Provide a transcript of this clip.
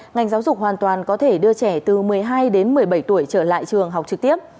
ngành giáo dục hoàn toàn có thể đưa trẻ từ một mươi hai đến một mươi bảy tuổi trở lại trường học trực tiếp